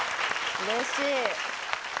・うれしい。